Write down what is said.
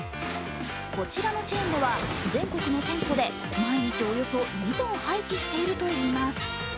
こちらのチェーンでは全国の店舗で毎日およそ２ｔ廃棄しているといいます。